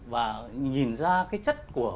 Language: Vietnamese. và nhìn ra cái chất của